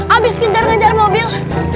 abis kejar kejar mobil